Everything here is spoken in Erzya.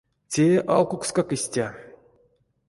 Те алкукскак истя.